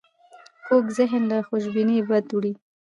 کوږ ذهن له خوشبینۍ بد وړي